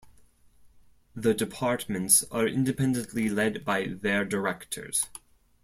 The departments are independently led by their Directors.